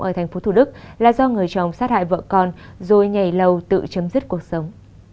ở thành phố thủ đức là do người chồng sát hại vợ con rồi nhảy lầu tự chấm dứt cuộc sống